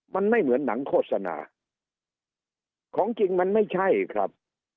มันไม่เหมือนหนังโฆษณาของจริงมันไม่ใช่ครับ